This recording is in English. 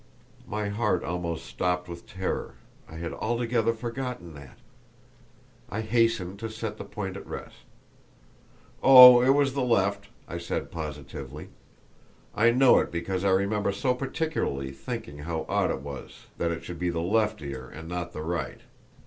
My heart almost stopped with terror; I had altogether forgotten that. I hastened to set the point at rest. "Oh, it was the left," I said, positively; "I know it because I remember so particularly thinking how odd it was that it should be the left ear, and not the right!"